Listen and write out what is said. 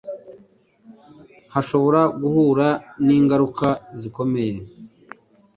hashobora guhura n'ingaruka zikomeye.